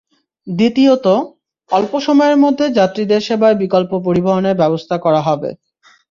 দ্বিতীয়ত, অল্প সময়ের মধ্যে যাত্রীদের সেবায় বিকল্প পরিবহনের ব্যবস্থা করা হবে।